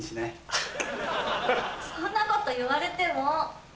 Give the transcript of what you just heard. そんなこと言われても。